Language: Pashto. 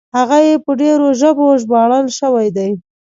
هغه یې په ډېرو ژبو ژباړل شوي دي.